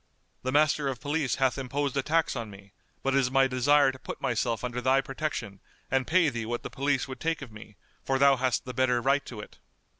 The Master of Police hath imposed a tax on me, but it is my desire to put myself under thy protection and pay thee what the police would take of me, for thou hast the better right to it."